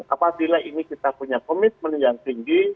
apabila ini kita punya komitmen yang tinggi